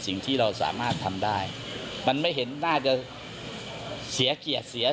สิ่งที่เราสามารถทำได้มันไม่เห็นน่าจะเสียเกียรติเสีย